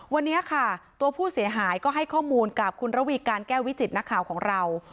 วันนี้ค่ะตัวผู้เสียหายก็ให้ข้อมูลกับคุณระวีการแก้ววิจิตนักข่าวของเรา